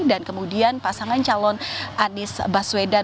dan kemudian pasangan calon anies baswedan